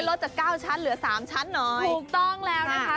รถจากเก้าชั้นเหลือสามชั้นเหรอถูกต้องแล้วนะคะ